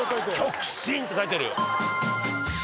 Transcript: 「極真」って書いてある。